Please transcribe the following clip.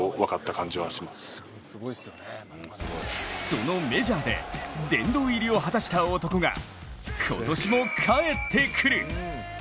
そのメジャーで殿堂入りを果たした男が今年も帰ってくる！